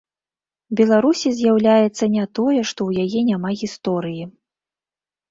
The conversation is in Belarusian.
Беларусі з'яўляецца не тое, што ў яе няма гісторыі.